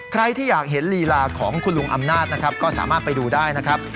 ใครที่อยากเห็นลีลาของคุณลุงอำนาจนะครับก็สามารถไปดูได้นะครับ